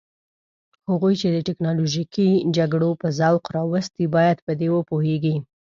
هغوی چې د تکنالوژیکي جګړو په ذوق راوستي باید په دې وپوهیږي.